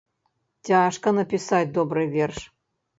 Цяжка напісаць добры верш.